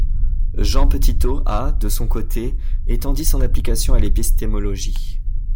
Jean Petitot a, de son côté, étendu son application à l'épistémologie.